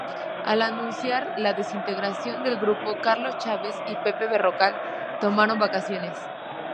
Al anunciar la desintegración del grupo, Carlos Chávez y Pepe Berrocal tomaron vacaciones.